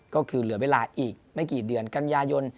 ก็คือเหลือเวลาอีกไม่กี่เดือนกันยายน